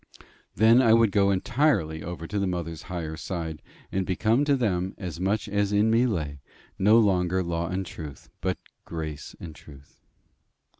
Then I would go entirely over to the mother's higher side, and become to them, as much as in me lay, no longer law and truth, but grace and truth.